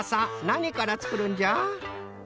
なにからつくるんじゃ？